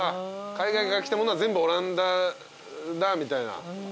海外から来たものは全部オランダだみたいな。